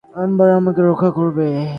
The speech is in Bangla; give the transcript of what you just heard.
এম্বার আমাকে রক্ষা করবে।